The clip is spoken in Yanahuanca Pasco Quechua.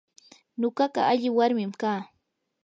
nuqaqa alli warmim kaa.